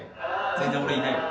全然俺いないわ。